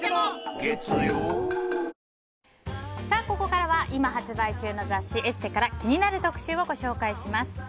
ここからは今発売中の雑誌「ＥＳＳＥ」から気になる特集をご紹介します。